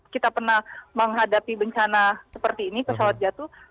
kita pernah menghadapi bencana seperti ini pesawat jatuh